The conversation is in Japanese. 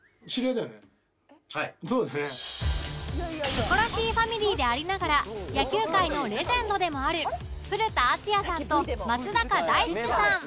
『キョコロヒー』ファミリーでありながら野球界のレジェンドでもある古田敦也さんと松坂大輔さん